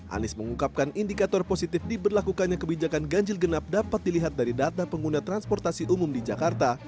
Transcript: anies mengungkapkan indikator positif diberlakukannya kebijakan ganjil genap dapat dilihat dari data pengguna transportasi umum di jakarta